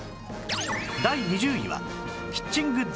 第２０位はキッチングッズ